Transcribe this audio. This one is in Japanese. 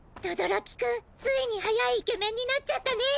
轟くんついに速いイケメンになっちゃったねぇ。